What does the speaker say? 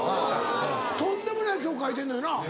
とんでもない曲書いてんのよな？